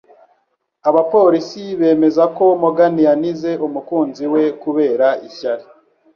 Abapolisi bemeza ko Morgan yanize umukunzi we kubera ishyari